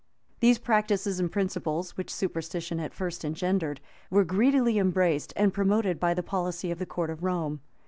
These practices and principles, which superstition at first engendered, were greedily embraced and promoted by the policy of the court of Rome.